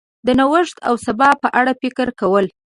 د نوښت او سبا په اړه فکر کول